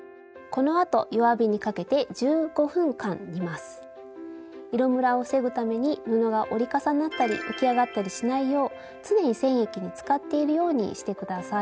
このあと色むらを防ぐために布が折り重なったり浮き上がったりしないよう常に染液につかっているようにして下さい。